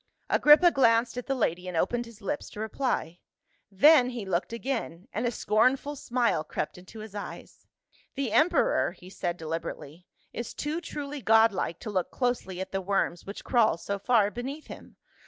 Agrippa glanced at the lady and opened his lips to reply, then he looked again, and a scornful smile crept HERODIAS. 149 into his eyes. "The emperor," he said deHberatcly, "is too truly god lik'e to look closely at the worms which crawl so far beneath him.